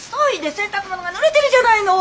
洗濯物がぬれてるじゃないの！